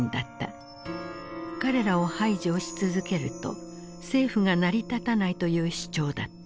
彼らを排除し続けると政府が成り立たないという主張だった。